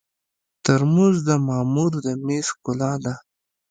ترموز د مامور د مېز ښکلا ده.